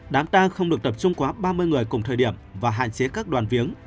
đám tang không được tập trung quá ba mươi người cùng thời điểm và hạn chế các đoàn viếng